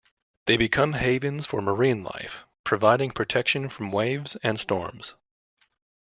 They become havens for marine life, providing protection from waves and storms.